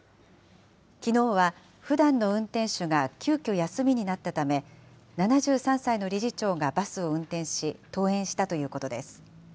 きのうはふだんの運転手が急きょ休みになったため、７３歳の理事長がバスを運転し、登園したということです。